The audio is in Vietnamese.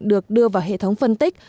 được đưa vào hệ thống phân tích